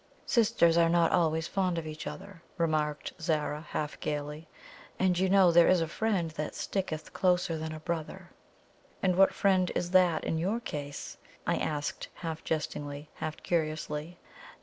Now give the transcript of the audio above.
"Sisters are not always fond of each other," remarked Zara, half gaily. "And you know 'there is a friend that sticketh closer than a brother'!" "And what friend is that in YOUR case?" I asked, half jestingly, half curiously.